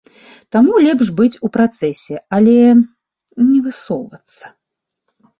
Таму лепш быць у працэсе, але не высоўвацца.